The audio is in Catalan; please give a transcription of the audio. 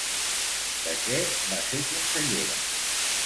De què va ser consellera?